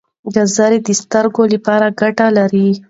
ګازرې د سترګو لپاره ګټه لري.